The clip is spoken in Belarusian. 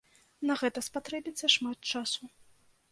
На гэта спатрэбіцца шмат часу.